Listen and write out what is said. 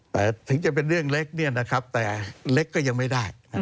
แต่ถึงจะเป็นเรื่องเล็กแต่เล็กก็ยังไม่ได้